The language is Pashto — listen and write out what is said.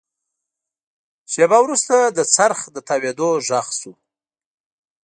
شېبه وروسته د څرخ د تاوېدو غږ شو.